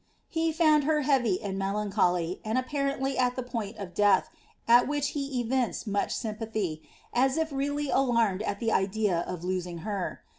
* He found her heavy and melancholy, md apparently at tlie point of death, at which he evinced much sym pathy, as if really alarmed at the idea of losing her.